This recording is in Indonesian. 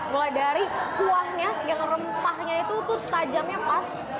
mulai dari kuahnya yang rempahnya itu tuh tajamnya pas